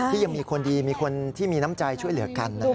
ที่ยังมีคนดีมีคนที่มีน้ำใจช่วยเหลือกัน